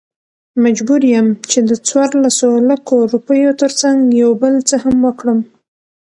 مجبور يم چې دڅورلسو لکو، روپيو ترڅنګ يو بل څه هم وکړم .